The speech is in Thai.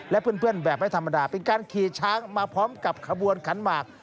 และเพื่อนแบบไม่ธรรมดาเป็นการขี่ช้างมาพร้อมกับขบวนขันหมาก